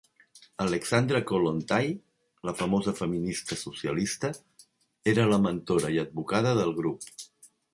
Alexandra Kollontai, la famosa feminista socialista, era la mentora i advocada del grup.